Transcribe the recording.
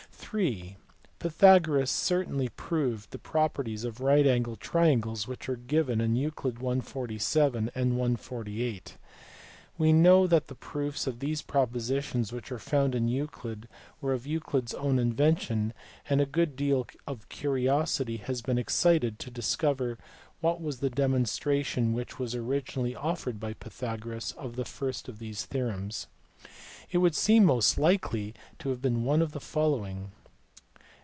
(iii) Pythagoras certainly proved the properties of right angled triangles which are given in Euc. I. 47 and i. 48. We know that the proofs of these propositions which are found in Euclid were of Euclid s own invention ; and a good deal of curiosity has been excited to discover what was the demon stration which was originally offered by Pythagoras of the first of these theorems*. It would seem most likely to have been one of the two following.